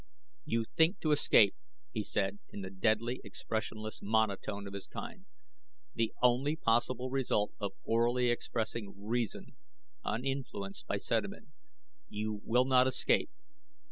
"You think to escape," he said, in the deadly, expressionless monotone of his kind the only possible result of orally expressing reason uninfluenced by sentiment. "You will not escape.